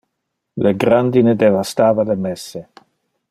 Le grandine devastava le messe.